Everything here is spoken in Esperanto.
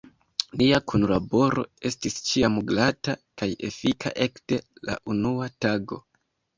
Nia kunlaboro estis ĉiam glata kaj efika, ekde la unua tago.